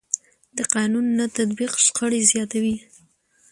د قانون نه تطبیق شخړې زیاتوي